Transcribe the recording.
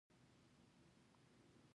يوازې منګلی تې ژوندی وتی.